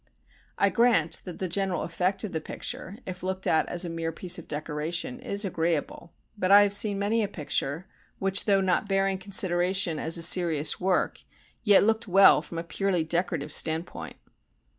I grant that the general effect of the picture if looked at as a mere piece of decoration is agreeable, but I have seen many a picture which though not bearing consideration as a serious work yet looked well from a purely decorative standpoint.